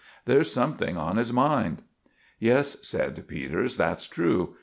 There's something on his mind." "Yes," said Peters, "that's true.